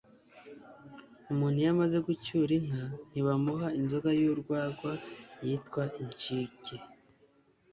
Umuntu iyo amaze gucyura inka ntibamuha inzoga y’u rwagwa (yitwa inshike)